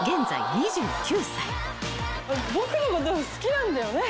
僕のこと好きなんだよね？